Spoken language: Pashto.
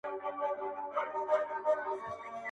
• بس همدا مو وروستی جنګ سو په بري به هوسیږو -